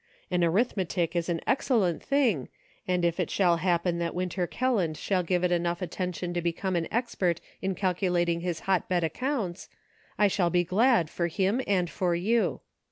An arithmetic is an excellent thing, and if it shall happen that Winter Kelland shall give it enough attention to become an expert in calculating his hotbed accounts, I shall be glad for him and for you.